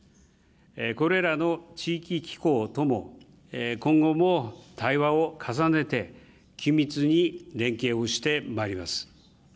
これらの地域機構とも、今後も対話を重ねて、緊密に連携をしてまいります。